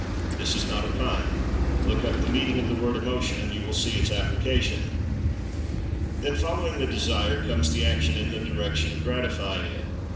(This is not a pun—look up the meaning of the word Emotion and you will see its application.) Then, following the Desire, comes the action in the direction of gratifying it.